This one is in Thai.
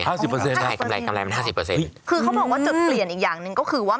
คือเขาบอกว่าจะเปลี่ยนอีกอย่างหนึ่งก็คือว่า